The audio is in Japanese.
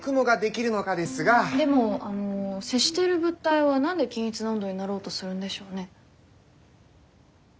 でもあの接している物体は何で均一な温度になろうとするんでしょうね。